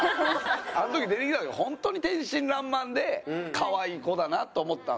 あの時出てきた時本当に天真爛漫で可愛い子だなと思ったんですよ。